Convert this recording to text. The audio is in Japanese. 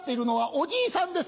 おじいさんです。